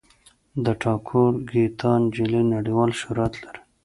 د ټاګور ګیتا نجلي نړیوال شهرت لري.